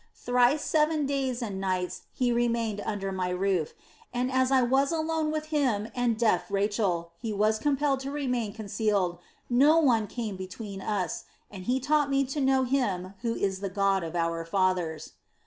Thrice seven days and nights he remained under my roof, and as I was alone with him and deaf Rachel, and he was compelled to remain concealed, no one came between us, and he taught me to know Him who is the God of our fathers.